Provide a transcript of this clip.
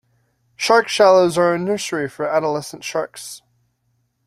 Shark Shallows a nursery for adolescent sharks.